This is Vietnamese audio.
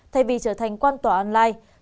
thay vì trở thành quan tòa online